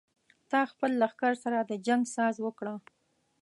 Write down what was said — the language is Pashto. ته له خپل لښکر سره د جنګ ساز وکړه.